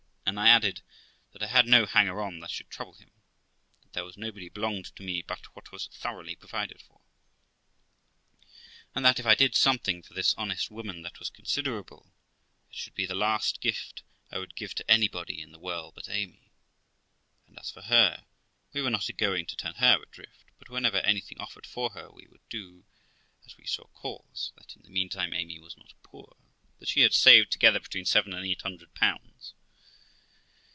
And I added, that I had no hanger on that should trouble him ; that there was nobody belonged to me but what was thoroughly provided for, and that, if I did something for this honest woman that was considerable, it should be the last gift I would give to anybody in the world but Amy ; and as for her, we were not a going to turn her adrift, but whenever anything offered for her, we would do as we saw cause; that, in the meantime, Amy was not poor, that she had saved together between seven and eight hundred pounds.